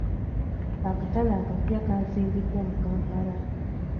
Akatale akapya kaazimbiddwa mu Kampala.